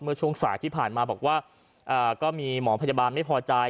ช่วงสายที่ผ่านมาบอกว่าก็มีหมอพยาบาลไม่พอใจ